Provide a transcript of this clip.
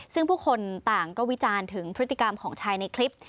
ซึ่งผู้คนต่างก็วิจารณ์ถึงพฤติกรรมของชายในคลิป